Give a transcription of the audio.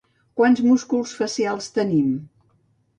Quants músculs facials tenim?